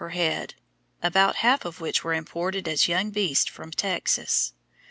per head, about half of which were imported as young beasts from Texas.